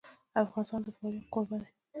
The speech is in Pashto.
افغانستان د فاریاب کوربه دی.